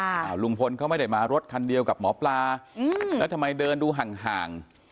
อ่าลุงพลเขาไม่ได้มารถคันเดียวกับหมอปลาอืมแล้วทำไมเดินดูห่างห่าง